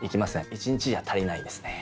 １日じゃ足りないですね。